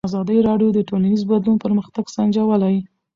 ازادي راډیو د ټولنیز بدلون پرمختګ سنجولی.